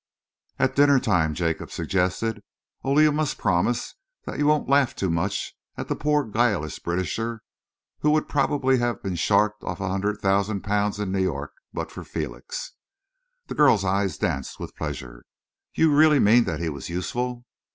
"At dinner time," Jacob suggested. "Only you must promise that you won't laugh too much at the poor guileless Britisher who would probably have been sharked of a hundred thousand pounds in New York, but for Felix." The girl's eyes danced with pleasure. "You really mean that he was useful?"